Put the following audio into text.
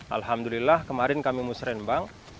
alhamdulillah kemarin kami musrembang